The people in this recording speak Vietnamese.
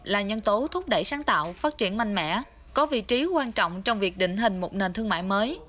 là nhân tố thúc đẩy sáng tạo phát triển mạnh mẽ có vị trí quan trọng trong việc định hình một nền thương mại mới